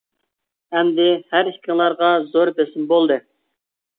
ئەمدى ھەر ئىككىڭلارغا زور بىسىم بولدى.